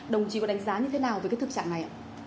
đồng chí có đánh giá như thế nào về cái thực trạng này ạ